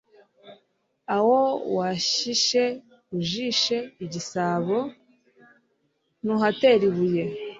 aho wahishe (ujishe) igisabo, ntuhatera ibuye